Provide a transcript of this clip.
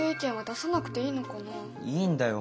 いいんだよ。